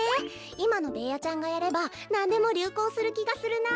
いまのベーヤちゃんがやればなんでもりゅうこうするきがするな。